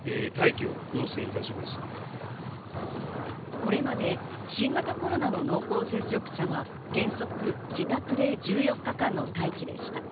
これまで新型コロナの濃厚接触者は原則自宅で１４日間の待機でした。